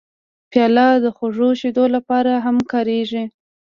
پیاله د خوږو شیدو لپاره هم کارېږي.